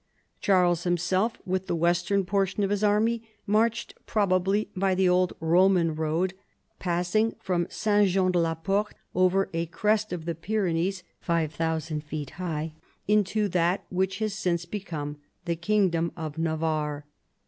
Charles himself, with the western portion of his army, marched probably by the old Roman road, passing from St. Jean de la Port over a crest of the Pyrenees 5000 feet high, into that which has since become the kingdom of !N"avarre.